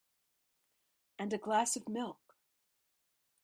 And a glass of milk.